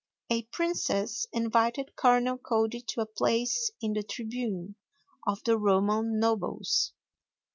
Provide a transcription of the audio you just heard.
A princess invited Colonel Cody to a place in the tribune of the Roman nobles.